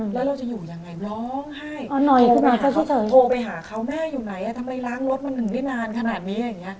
แล้วเราจะอยู่ยังไงร้องไห้โทรไปหาเขาแม่อยู่ไหนทำไมล้างรถมันถึงได้นานขนาดนี้อย่างนี้